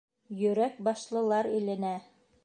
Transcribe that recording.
— Йөрәк башлылар иленә.